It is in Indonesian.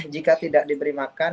jika tidak diberi makan